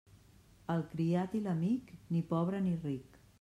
El criat i l'amic, ni pobre ni ric.